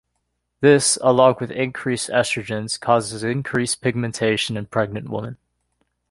This, along with increased estrogens, causes increased pigmentation in pregnant women.